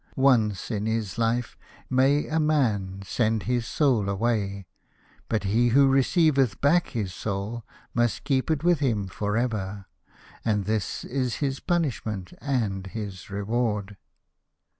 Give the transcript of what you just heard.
Once in his life may a man send his Soul away, but he who receiveth back his Soul must keep it with him for ever, and this is his punishment and his reward."